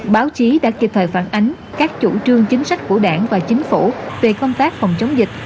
báo chí đã kịp thời phản ánh các chủ trương chính sách của đảng và chính phủ về công tác phòng chống dịch